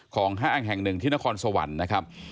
ห้างแห่งหนึ่งที่นครสวรรค์นะครับ